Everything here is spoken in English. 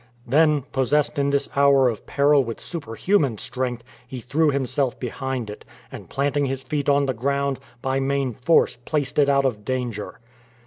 Then, possessed in this hour of peril with superhuman strength, he threw himself behind it, and planting his feet on the ground, by main force placed it out of danger.